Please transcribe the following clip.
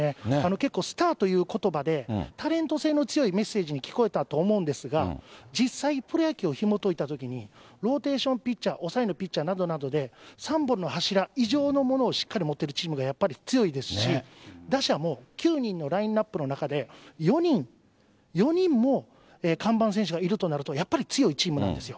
結構スターということばでタレント性の強いメッセージに聞こえたと思うんですが、実際、プロ野球をひもといたときに、ローテーションピッチャー、抑えのピッチャーなどなどで、３本の柱以上のものをしっかり持ってるチームがやっぱり強いですし、打者も、９人のラインナップの中で４人、４人も看板選手がいるとなると、やっぱり強いチームなんですよ。